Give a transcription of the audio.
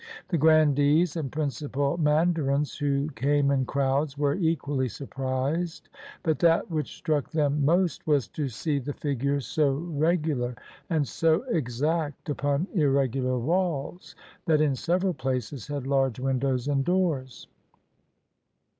The grandees and principal mandarins, who came in crowds, were equally surprised; but that which struck them most was to see the figures so regular 156 TEACHING SCIENCE TO THE EMPEROR and so exact upon irregular walls that in several places had large windows and doors.